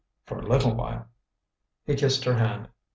for a little while." He kissed her hand.